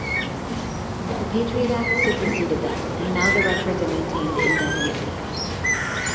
The Patriot Act superseded that and now the records are maintained indefinitely.